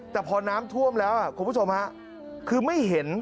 แต่พอน้ำท่วมแล้วคุณผู้ชมฮะคือไม่เห็น